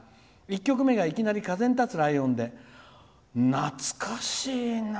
１曲目がいきなり「風に立つライオン」で懐かしいな！